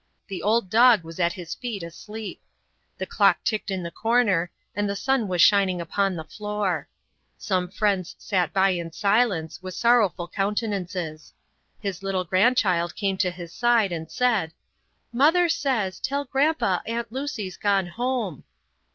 The old dog was at his feet asleep. The clock ticked in the corner, and the sun was shining upon the floor. Some friends sat by in silence, with sorrowful countenances. His little grandchild came to his side, and said, "Mother says, tell Grandpa Aunt Lucy's gone home."